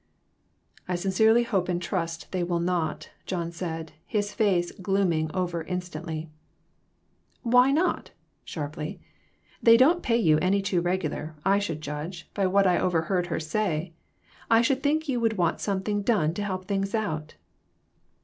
"I sincerely hope and trust they will not," John said, his face glooming over instantly. "Why not ?" sharply ;" they don't pay you any too regular, I should judge, by what I overheard her say. I should think you would want some thing done to help things out."